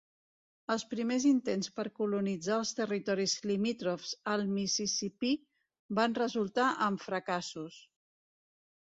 Els primers intents per colonitzar els territoris limítrofs al Mississipí van resultar en fracassos.